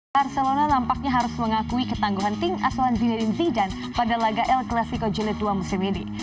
barcelona nampaknya harus mengakui ketangguhan tim asuhan zinerin zigan pada laga el clasico jelit dua musim ini